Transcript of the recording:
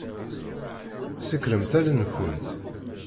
Ṣekkṛemt allen-nkent.